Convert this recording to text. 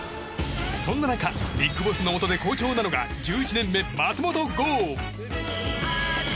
そんな中ＢＩＧＢＯＳＳのもとで好調なのが１１年目、松本剛。